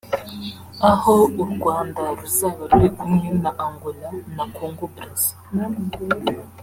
aho u Rwanda ruzaba ruri kumwe na Angola na Congo Brazza